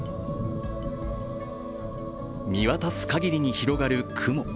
見渡す限りに広がる雲。